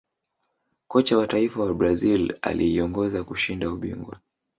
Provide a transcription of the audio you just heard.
Kocha wa taifa wa brazil aliiongoza kushinda ubingwa